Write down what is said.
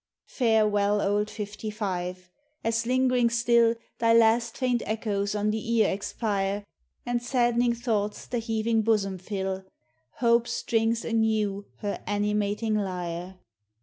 Farewell, old Fifty five as ling'ring still Thy last faint echoes on the ear expire, And sadd'ning thoughts the heaving bosom fill, Hope strings anew her animating lyre.